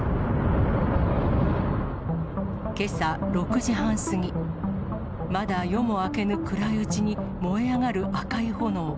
けさ６時半過ぎ、まだ夜も明けぬ暗いうちに燃え上がる赤い炎。